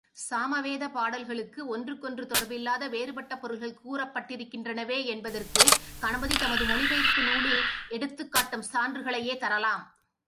சாமவேதப் பாடல்களுக்கு ஒன்றுக்கொன்று தொடர்பில்லாத வேறுபட்ட பொருள்கள் கூறப்பட்டிருக்கின்றனவென்பதற்குக் கணபதி தமது மொழிபெயர்ப்பு நூலில் எடுத்துக்காட்டும் சான்றுகளையே தரலாம்.